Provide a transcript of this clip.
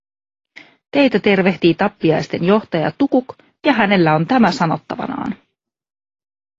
Teitä tervehtii tappiaisten johtaja Tukuk ja hänellä on tämä sanottavanaan.